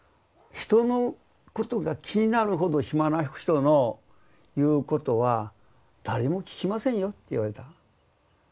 人のことが気になるほど暇な人の言うことは誰も聞きませんよって言われた。